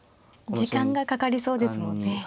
時間がかかりそうですもんね。